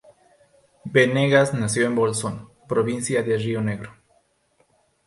Benegas nació en El Bolsón, provincia de Río Negro.